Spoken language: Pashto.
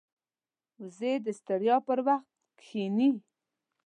وزې د ستړیا پر وخت کښیني